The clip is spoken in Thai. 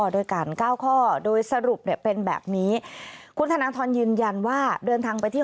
ด้วยกันเก้าข้อโดยสรุปเนี่ยเป็นแบบนี้คุณธนทรยืนยันว่าเดินทางไปที่